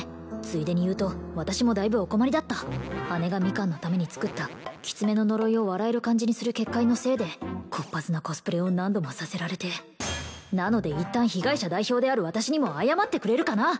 ついでにいうと私もだいぶお困りだった姉がミカンのために作ったきつめの呪いを笑える感じにする結界のせいでこっ恥ずなコスプレを何度もさせられてなので一旦被害者代表である私にも謝ってくれるかな！